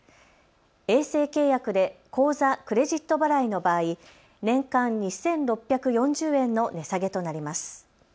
衛星契約で口座・クレジット払いの場合、年間２６４０円の値下げとなります。